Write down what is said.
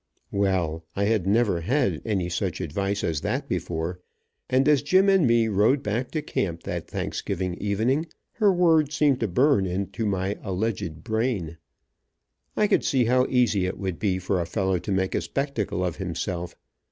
Well, I had never had any such advice as that before, and as Jim and me rode back to camp that Thanksgiving evening, her words seemed to burn into my alleged brain. I could see how easy it would be for a fellow to make a spectacle of himself.